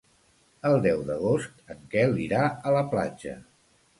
El deu d'agost en Quel irà a la platja.